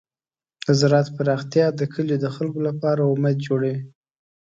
د زراعت پراختیا د کلیو د خلکو لپاره امید جوړوي.